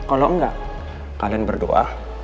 kalau enggak kalian berdua